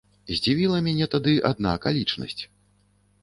Здзівіла мяне тады адна акалічнасць.